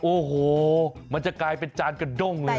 โอ้โหมันจะกลายเป็นจานกระด้งเลย